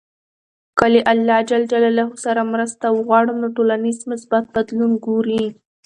که له الله ج سره مرسته وغواړو، نو ټولنیز مثبت بدلون ګورﻱ.